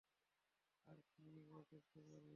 আর কীই বা করতে পারি?